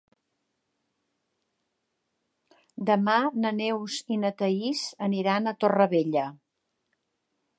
Demà na Neus i na Thaís aniran a Torrevella.